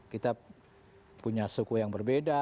kita punya suku yang berbeda